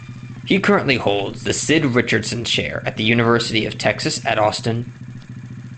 He currently holds the Sid Richardson Chair at the University of Texas at Austin.